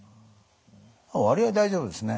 割合大丈夫ですね。